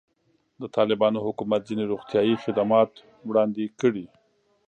د طالبانو حکومت ځینې روغتیایي خدمات وړاندې کړي.